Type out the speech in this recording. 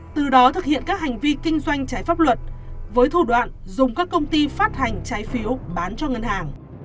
từ đó thực hiện các hành vi kinh doanh trái pháp luật với thủ đoạn dùng các công ty phát hành trái phiếu bán cho ngân hàng